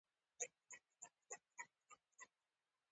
په ذهن کې به یې د اورېدو لېوالتیا پیدا کړم